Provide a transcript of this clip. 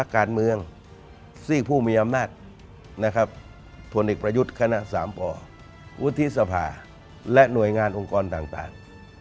การเมืองซีกผู้มีอำนาจผลเอกประยุทธ์คณะสามป่อวุฒิสภาและหน่วยงานองค์กรต่าง